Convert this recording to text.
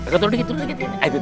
turun dikit turun dikit